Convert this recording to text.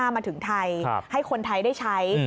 มาถึงไทยให้คนไทยได้ใช้